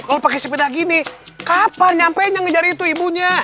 kalau pakai sepeda gini kapan nyampenya ngejar itu ibunya